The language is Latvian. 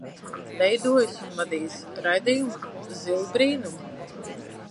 "Veidojis un vadījis bērnu raidījumu "Zili Brīnumi"."